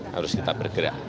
harus kita bergerak